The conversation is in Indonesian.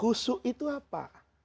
husu itu apa